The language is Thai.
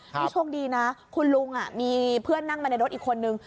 นี่โชคดีนะคุณลุงมีเพื่อนนั่งมาในรถอีกคนนึง